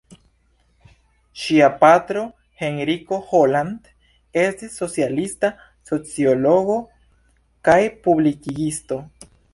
Ŝia patro Henriko Holland estis socialista sociologo kaj publikigisto.